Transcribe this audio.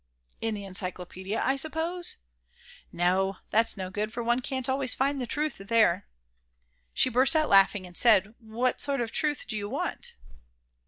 "In the encyclopedia, I suppose?" "No, that's no good, for one can't always find the truth there." She burst out laughing and said: "What sort of truth do you want?"